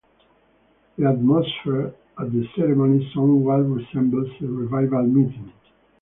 The atmosphere at the ceremony somewhat resembles a revival meeting.